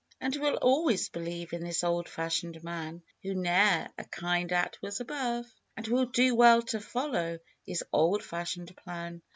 And we'll always believe in this old fashioned man, Who ne'er a kind act was above. And we'd do well to follow his old fashioned plan